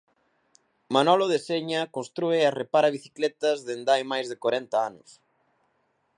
Manolo deseña, contrúe e repara bicicletas dende hai máis de corenta anos.